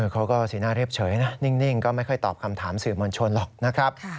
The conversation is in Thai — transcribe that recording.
สีหน้าเรียบเฉยนะนิ่งก็ไม่ค่อยตอบคำถามสื่อมวลชนหรอกนะครับ